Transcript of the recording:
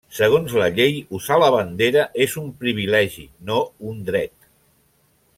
Segons la llei, usar la bandera és un privilegi, no un dret.